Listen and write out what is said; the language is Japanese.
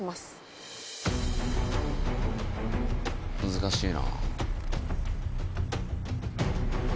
難しいな。